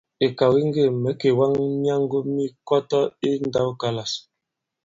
Ìkàw di ŋgê mɛ̌ kèwaŋ myaŋgo mi Kɔtɔ i ǹndãwkalâs.